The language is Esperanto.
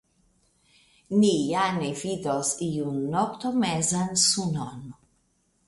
Ni ja ne vidos iun noktomezan sunon.